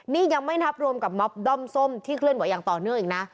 นี่ยังไม่นับรวมกับม็อบด้อมส้มที่เคลื่อนไหวอย่างต่อเนื่องอีกนะ